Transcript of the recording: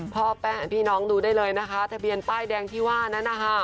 แป้งพี่น้องดูได้เลยนะคะทะเบียนป้ายแดงที่ว่านั้นนะคะ